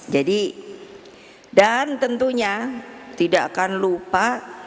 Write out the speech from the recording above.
jadi dan tentunya tidak akan lupa